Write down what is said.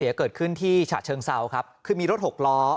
เกิดขึ้นที่ฉะเชิงเซาครับคือมีรถหกล้อ